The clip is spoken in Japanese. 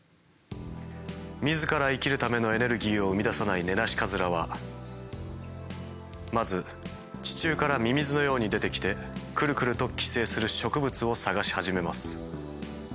自ら生きるためのエネルギーを生み出さないネナシカズラはまず地中からミミズのように出てきてクルクルと寄生する植物を探し始めます。